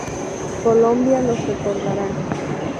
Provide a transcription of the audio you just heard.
Colombia los recordará